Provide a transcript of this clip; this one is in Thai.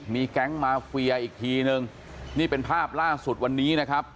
มีแก๊งมาเฟียอีกทีนึงนี่เป็นภาพล่าสุดวันนี้นะครับ